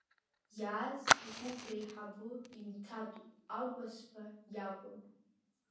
Иааз агәыԥ реиҳабы Имҭад Агәасба иакәын.